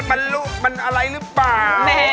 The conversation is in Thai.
มันรู้มันอะไรหรือเปล่า